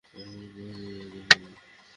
আমাকে কাজে যেতে হবে।